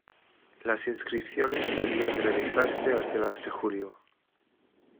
Las inscripciones debían realizarse a finales de julio.